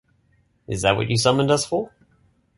Is that what you summoned us for?